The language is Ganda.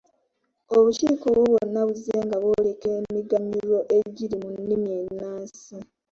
Obukiiko obwo bwonna buzzenga bwoleka emiganyulo egiri mu nnimi ennansi.